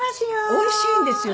おいしいんですよ